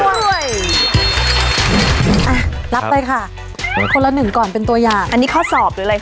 อ่ะรับไปค่ะคนละหนึ่งก่อนเป็นตัวอย่างอันนี้ข้อสอบหรืออะไรค